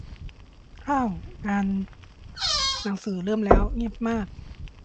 อ้าว งานหนังสือเริ่มแล้ว เงียบมาก